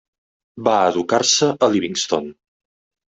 Va educar-se a Livingston.